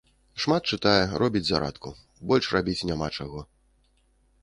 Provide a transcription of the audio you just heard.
Шмат чытае, робіць зарадку, больш рабіць няма чаго.